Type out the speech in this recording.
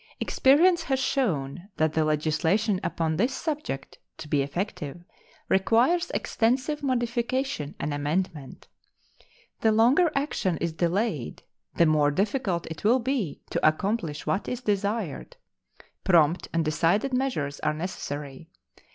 Experience has shown that the legislation upon this subject, to be effective, requires extensive modification and amendment. The longer action is delayed the more difficult it will be to accomplish what is desired. Prompt and decided measures are necessary.